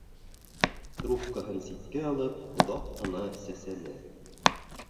Трубкаһын ситкә алып, оҙаҡ ҡына сәсәне.